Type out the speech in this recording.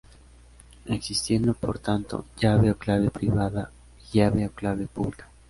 Existiendo por tanto: llave o clave privada y llave o clave pública.